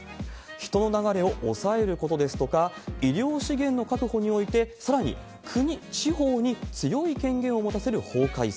人の流れを抑えることですとか、医療資源の確保において、さらに国、地方に強い権限を持たせる法改正。